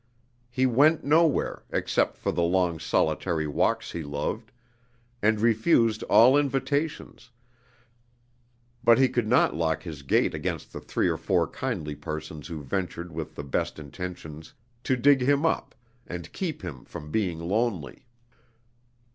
He went nowhere, except for the long, solitary walks he loved, and refused all invitations, but he could not lock his gate against the three or four kindly persons who ventured with the best intentions, to "dig him up" and "keep him from being lonely."